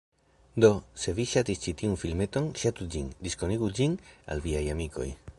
Do, se vi ŝatis ĉi tiun filmeton ŝatu ĝin, diskonigu ĝin al viaj amikoj